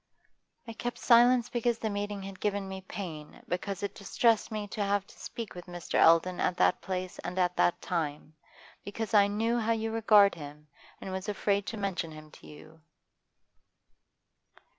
'I kept silence because the meeting had given me pain, because it distressed me to have to speak with Mr. Eldon at that place and at that time, because I knew how you regard him, and was afraid to mention him to you.